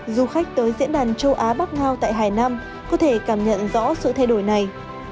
du khách tới diễn đàn châu á bắc ngao tại hải nam có thể cảm nhận rõ sự thay đổi này